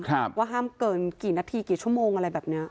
ว่าห้ามเกินกี่นาทีกี่ชั่วโมงอะไรแบบเนี้ย